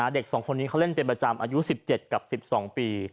เด็ก๒คนนี้เขาเล่นเป็นประจำอายุ๑๗กับ๑๒ปี